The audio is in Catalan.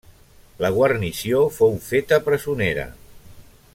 La guarnició fou feta presonera.